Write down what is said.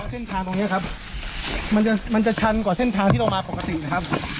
เส้นทางตรงนี้ครับมันจะชันกว่าเส้นทางที่เรามาปกตินะครับ